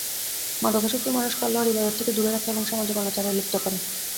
মাদকাসক্তি মানুষকে আল্লাহর ইবাদত থেকে দূরে রাখে এবং সামাজিক অনাচারে লিপ্ত করে।